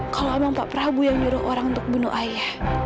kalau emang pak prabowo yang nyuruh orang untuk bunuh ayah